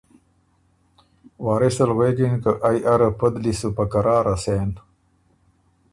واث ال غوېکِن که ائ اره پدلی سو په قراره سېن